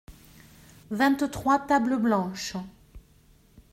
Vingt-trois tables blanches.